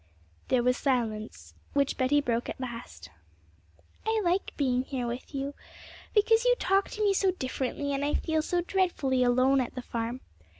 There was silence, which Betty broke at last. 'I like being here with you, because you talk to me so differently, and I feel so dreadfully alone at the farm.